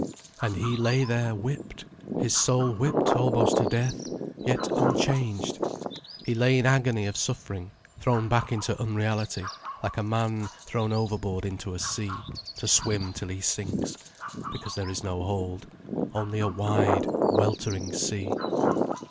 And he lay there whipped, his soul whipped almost to death, yet unchanged. He lay in agony of suffering, thrown back into unreality, like a man thrown overboard into a sea, to swim till he sinks, because there is no hold, only a wide, weltering sea.